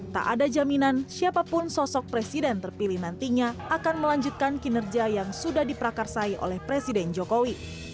tak ada jaminan siapapun sosok presiden terpilih nantinya akan melanjutkan kinerja yang sudah diprakarsai oleh presiden jokowi